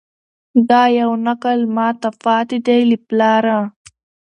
دا یو نکل ماته پاته دی له پلاره